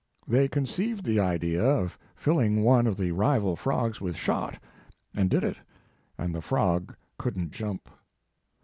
They conceived the idea of filling one of the rival frogs with shot, and did it, and the frog couldn t jump.